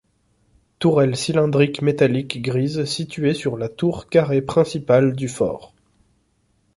Tourelle cylindrique métallique grise située sur la tour carrée principale du fort.